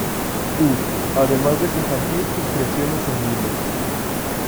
U", además de compartir sus creaciones en línea.